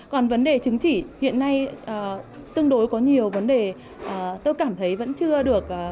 còn vấn đề chứng chỉ hiện nay tương đối có nhiều vấn đề tôi cảm thấy vẫn chưa được